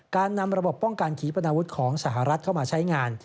การนำระบบป้องกันขีปนาวุธของสหรัฐเข้ามาใช้งาน